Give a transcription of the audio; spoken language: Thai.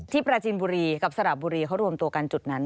ปราจินบุรีกับสระบุรีเขารวมตัวกันจุดนั้น